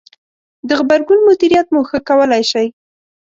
-د غبرګون مدیریت مو ښه کولای ش ئ